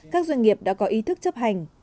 các doanh nghiệp đã có ý thức chấp hành